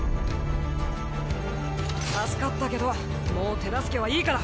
助かったけどもう手助けはいいから。